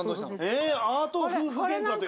アート夫婦げんかって。